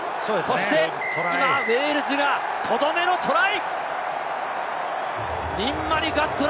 そして今、ウェールズがとどめのトライ！